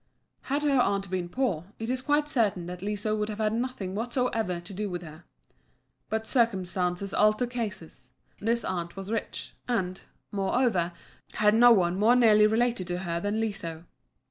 Had her aunt been poor, it is quite certain that Liso would have had nothing whatsoever to do with her. But circumstances alter cases. This aunt was rich, and, moreover, had no one more nearly related to her than Liso.